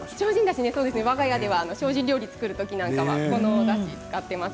わが家では精進料理を作る時にこのおだしを使っています。